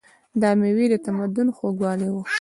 دا مېوې د تمدن خوږوالی و.